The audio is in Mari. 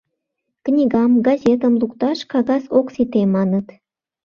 Книгам, газетым лукташ кагаз ок сите, маныт.